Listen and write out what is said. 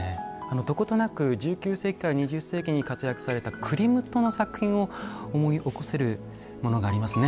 どことなく１９世紀から２０世紀に活躍されたクリムトの作品を思い起こせるものがありますね。